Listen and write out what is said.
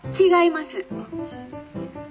「違います」。